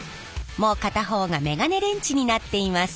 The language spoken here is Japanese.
もう片方がメガネレンチになっています。